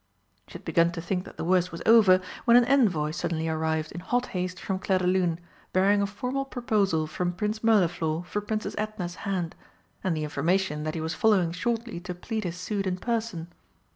She had begun to think that the worst was over when an envoy suddenly arrived in hot haste from Clairdelune bearing a formal proposal from Prince Mirliflor for Princess Edna's hand, and the information that he was following shortly to plead his suit in person.